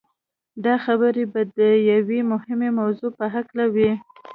دا خبرې به د يوې مهمې موضوع په هکله وي.